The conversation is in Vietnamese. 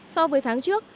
so với tháng trước